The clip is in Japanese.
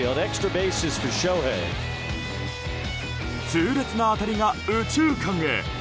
痛烈な当たりが右中間へ。